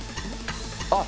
あっ！